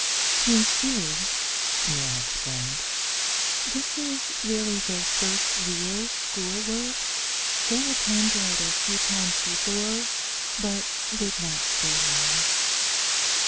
"You see," Nan explained, "this is really their first real school work. They attended a few times before, but did not stay long."